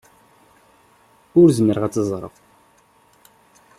Ur zmireɣ ad t-ẓreɣ.